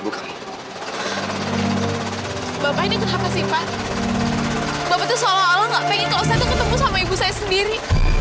bapak tuh seolah olah gak pengen kalau saya ketemu sama ibu saya sendiri